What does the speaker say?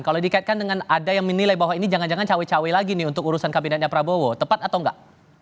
kalau dikaitkan dengan ada yang menilai bahwa ini jangan jangan cawe cawe lagi nih untuk urusan kabinetnya prabowo tepat atau enggak